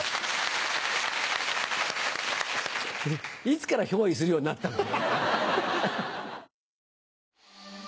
いつから憑依するようになったの？